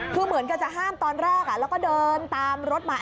คือเหมือนกันจะห้ามตอนแรกแล้วก็เดินตามรถมา